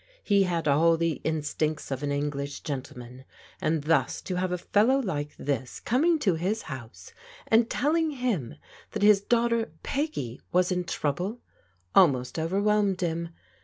He had all the instincts of an English gentleman, and thus to have a fellow like this coming to his house, and telling him that his daughter Peggy was in trouble, almost overwhelmed him.